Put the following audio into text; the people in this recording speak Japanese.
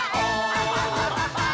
アハハハハ！